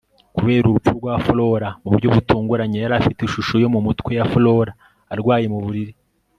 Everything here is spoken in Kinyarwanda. kubera urupfu rwa flora. mu buryo butunguranye, yari afite ishusho yo mu mutwe ya flora, arwaye mu buriri